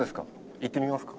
行ってみますか？